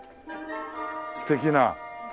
素敵な。